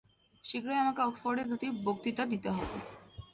শীঘ্রই আমাকে অক্সফোর্ডে দুটি বক্তৃতা দিতে হবে।